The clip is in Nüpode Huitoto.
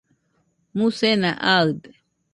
musena aɨde